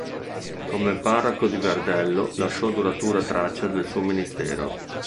Come parroco di Verdello lasciò duratura traccia del suo ministero.